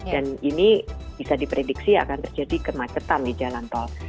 dan ini bisa diprediksi akan terjadi kemacetan di jalan tol